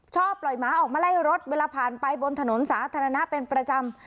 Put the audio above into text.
ชอบปล่อยหมาออกมาไล่รถเวลาผ่านไปบนถนนสาธารณะเป็นประจำ